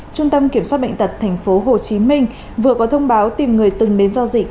trung tâm kiểm soát bệnh tật thành phố hồ chí minh vừa có thông báo tìm người từng đến giao dịch